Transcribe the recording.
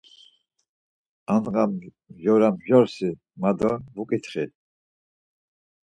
Andğa mjora mjorsi ma do vuǩitxi.